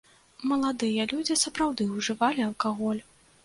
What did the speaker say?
Маладыя людзі сапраўды ўжывалі алкаголь.